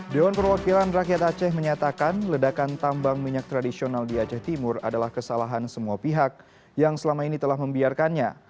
dewan perwakilan rakyat aceh menyatakan ledakan tambang minyak tradisional di aceh timur adalah kesalahan semua pihak yang selama ini telah membiarkannya